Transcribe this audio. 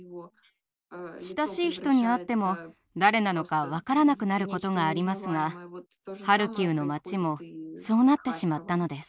親しい人に会っても誰なのか分からなくなることがありますがハルキウの町もそうなってしまったのです。